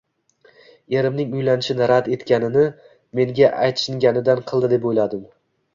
Erimning uylanishni rad etganini, menga achinganidan qildi deb o`yladim